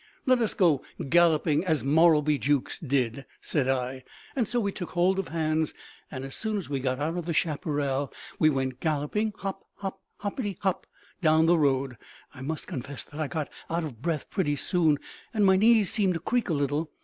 "Let us go galloping as Morrowbie Jukes did," said I. So we took hold of hands and as soon as we got out of the chaparral, we went galloping, hop, hop, hoppity, hop, down the road. I must confess that I got out of breath pretty soon and my knees seemed to creak a little.